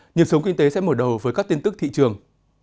nhịp sống kinh tế sẽ mở đầu với các tin tức thị trường